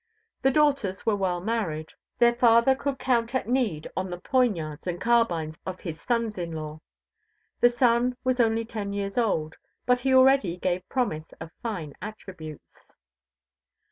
The daughters were well married: their father could count at need on the poignards and carbines of his sons in law. The son was only ten years old, but he already gave promise of fine attributes.